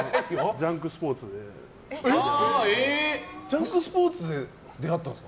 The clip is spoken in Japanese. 「ジャンクＳＰＯＲＴＳ」で出会ったんですか。